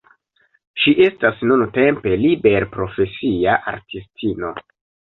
Ŝi estas nuntempe liberprofesia artistino.